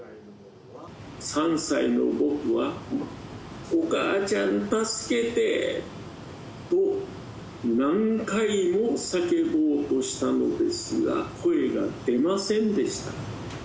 ３歳の僕は、お母ちゃん助けてと、何回も叫ぼうとしたのですが、声が出ませんでした。